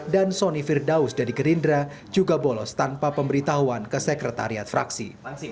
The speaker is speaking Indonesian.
dan soni firdaus dari gerindra juga bolos tanpa pemberitahuan ke sekretariat fraksi